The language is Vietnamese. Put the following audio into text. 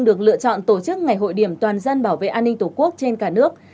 được lựa chọn tổ chức ngày hội điểm toàn dân bảo vệ an ninh tổ quốc trên cả nước